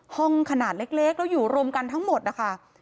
ห้องขนาดเล็กแล้วอยู่รวมกันทั้งหมดนะคะ